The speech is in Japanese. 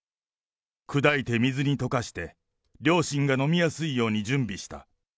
砕いて水に溶かして、両親が飲みやすいように準備した。